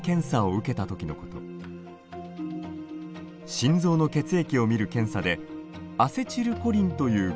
心臓の血液を見る検査でアセチルコリンという薬を注入。